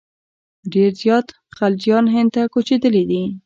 ډېر زیات خلجیان هند ته کوچېدلي دي.